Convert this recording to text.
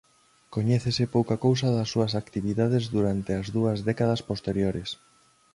Coñécese pouca cousa das súas actividades durante as dúas décadas posteriores.